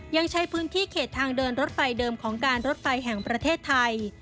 ยังใช้พื้นที่เขตทางเดินรถไฟเดิมของการรถไฟแห่งประเทศไทย